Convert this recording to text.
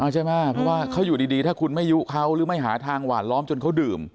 ใช่ไหมเพราะว่าเขาอยู่ดีถ้าคุณไม่ยุเขาหรือไม่หาทางหวานล้อมจนเขาดื่ม